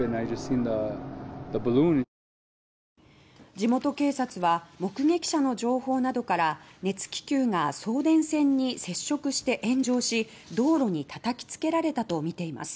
地元警察は目撃者の情報などから熱気球が送電線に接触して炎上し道路にたたきつけられたとみています。